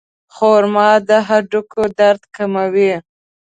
خرما د هډوکو درد کموي.